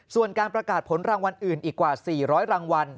ส่วนการประกาศผลรางวัลอื่นอีกกว่า๔๐๐รางวัล